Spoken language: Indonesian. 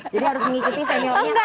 jadi harus mengikuti seniornya